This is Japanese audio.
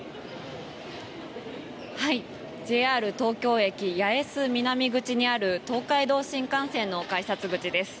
ＪＲ東京駅八重洲南口にある東海道新幹線改札口です。